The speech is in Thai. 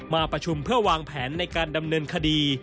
มาประชุมเพื่อวางแผนในการดำเนินคดี